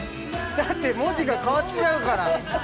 だって文字が変わっちゃうから。